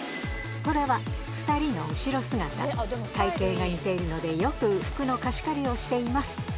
これは２人の後ろ姿体形が似ているのでよく服の貸し借りをしています